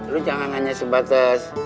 lo jangan hanya sebatas